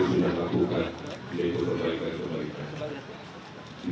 sudah lakukan yaitu kebaikan kebaikan